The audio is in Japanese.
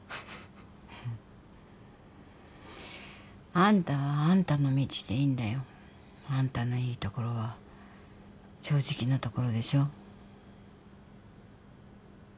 あんたはあんたの道でいいんだよ。あんたのいいところは正直なところでしょ。